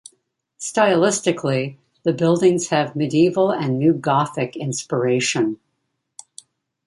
Stylistically the buildings have Medieval and New Gothic inspiration.